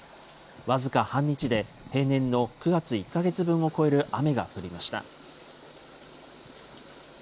僅か半日で、平年の９月１か月分を超える雨が降りました。